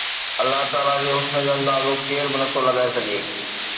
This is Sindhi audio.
الله تعاليٰ جي حسن جو اندازو ڪير به نٿو لڳائي سگهي